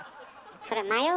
それ「迷う」